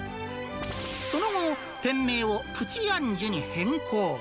その後、店名をプチ・アンジュに変更。